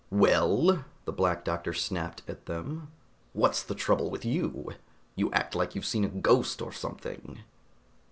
"Well?" the Black Doctor snapped at them. "What's the trouble with you? You act like you've seen a ghost or something."